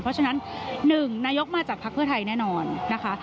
เพราะฉะนั้น๑นายกมาจากภักดิ์เพื่อไทยแน่นอนนะคะ